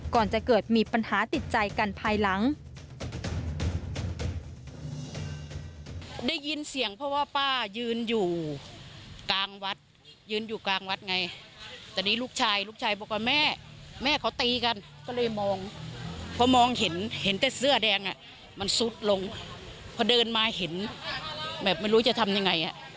ก่อนจะเกิดมีปัญหาติดใจกันภายหลัง